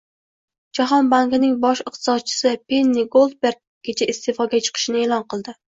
Jahon bankining bosh iqtisodchisi Penni Goldberg kecha iste'foga chiqishini e'lon qildi